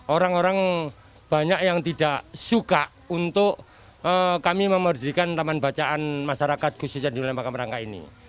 orang orang banyak yang tidak suka untuk kami memerdikan taman bacaan masyarakat khususnya di wilayah makam rangka ini